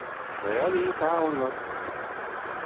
Bɣiɣ ad iyi-tɛawneḍ.